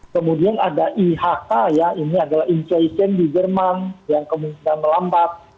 kemudian ada ihk ya ini adalah inflation di jerman yang kemungkinan melambat